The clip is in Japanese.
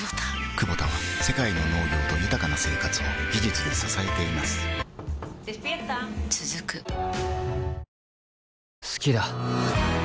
クボタは世界の農業と豊かな生活を技術で支えています起きて。